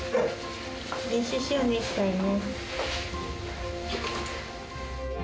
練習しようね、いっぱいね。